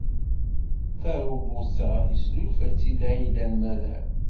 Tarubut-a, yesnulfa-tt-id Aidan Meller.